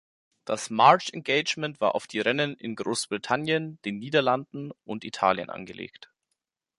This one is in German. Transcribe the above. Das March-Engagement war auf die Rennen in Großbritannien, den Niederlanden und Italien angelegt.